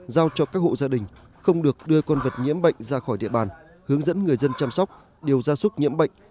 giao cho các hộ gia đình không được đưa con vật nhiễm bệnh ra khỏi địa bàn hướng dẫn người dân chăm sóc điều gia súc nhiễm bệnh